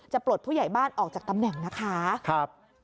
ปลดผู้ใหญ่บ้านออกจากตำแหน่งนะคะ